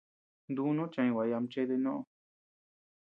Dúnu cheʼeñ nguay ama chéde nóʼö.